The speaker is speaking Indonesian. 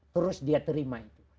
terus dia terima itu